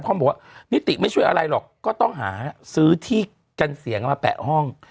บอกว่านิติไม่ช่วยอะไรหรอกก็ต้องหาซื้อที่กันเสียงมาแปะห้อง